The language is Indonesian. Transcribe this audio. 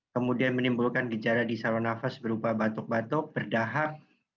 kemudian menimbulkan gejala di saluran nafas berupa batuk batuk berdahap